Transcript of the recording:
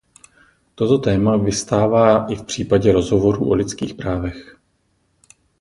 Toto téma vystává i v případě rozhovorů o lidských právech.